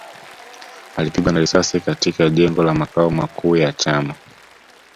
Alipigwa na risasi katika jengo la makao makuu ya chama